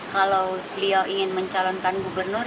kalau beliau ingin mencalonkan gubernur